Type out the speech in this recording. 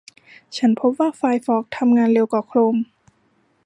ฉันพบว่าไฟร์ฟอกซ์ทำงานเร็วกว่าโครม